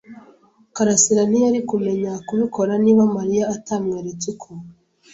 karasira ntiyari kumenya kubikora niba Mariya atamweretse uko.